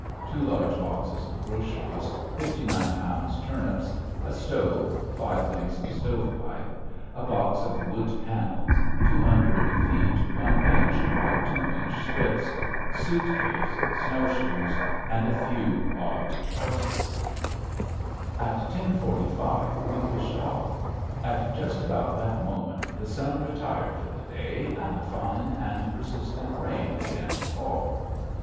two large boxes of groceries, fifty nine pounds turnips, a stove, five lengths of stovepipe, a box of wood panels, two hundred feet one inch by two inch strips, suit case, snowshoes, and a few odd parcels. [Illustration: THE WINDLASS] At ten forty five we pushed off. At just about that moment the sun retired for the day and a fine and persistent rain began to fall.